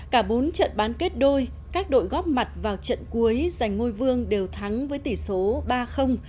cả bốn trận bán kết đôi các đội góp mặt vào trận cuối giành ngôi vương đều thắng với tỷ số ba